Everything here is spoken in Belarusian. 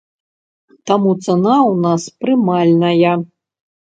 Таму цана ў нас прымальная.